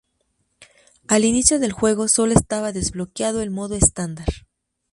Al inicio del juego, sólo está desbloqueado el modo estándar.